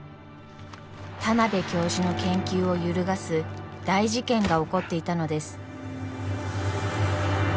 田邊教授の研究を揺るがす大事件が起こっていたのです。